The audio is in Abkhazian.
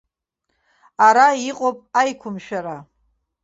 Ара иҟоуп аиқәымшәара.